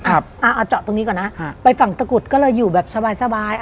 อ่าเอาเจาะตรงนี้ก่อนนะไปฝั่งตะกุดก็เลยอยู่แบบสบายสบาย